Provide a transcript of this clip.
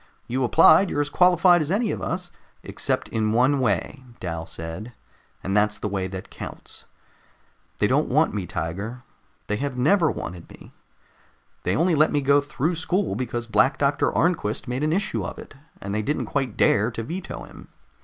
"You applied, you're as qualified as any of us " "Except in one way," Dal said, "and that's the way that counts. They don't want me, Tiger. They have never wanted me. They only let me go through school because Black Doctor Arnquist made an issue of it, and they didn't quite dare to veto him.